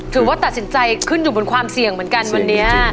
ถือว่าตัดสินใจขึ้นอยู่บนความเสี่ยงเหมือนกันวันนี้